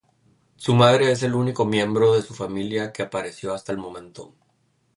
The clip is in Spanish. Su madre es el único miembro de su familia que apareció hasta el momento.